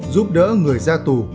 giúp đỡ người ra tù